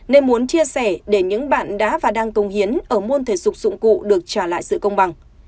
nên muốn chia sẻ để những bạn đã và đang công hiến ở môn thể dục dụng cụ được trả lại sự công bằng